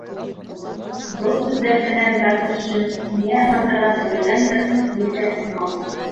Был һүҙҙәр менән Батыршин ни аңлатырға теләгәндер, билдәһеҙ ҡалды